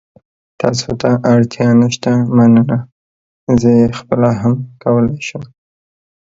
تاسو ته اړتیا نشته، مننه. زه یې خپله هم کولای شم.